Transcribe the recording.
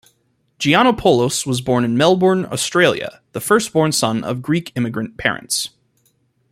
Giannopoulos was born in Melbourne, Australia, the first-born son of Greek immigrant parents.